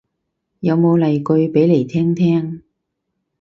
有冇例句俾嚟聽聽